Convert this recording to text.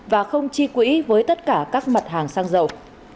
và không chi quỹ với tất cả các mặt hàng xăng dầu